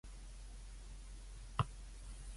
話咗以色列衰能過納粹